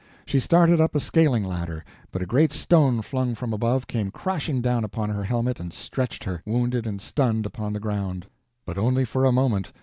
She started up a scaling ladder, but a great stone flung from above came crashing down upon her helmet and stretched her, wounded and stunned, upon the ground. But only for a moment.